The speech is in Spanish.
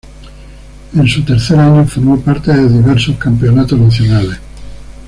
En su tercer año formó parte de diversos campeonatos nacionales.